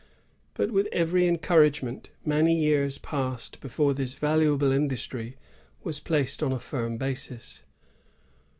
But, with every encouragement, many years passed before this valu able industry was placed on a finn basis.